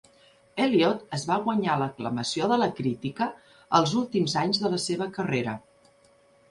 Elliott es va guanyar l'aclamació de la crítica els últims anys de la seva carrera.